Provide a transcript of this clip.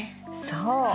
そう。